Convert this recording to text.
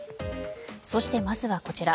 そして、まずはこちら。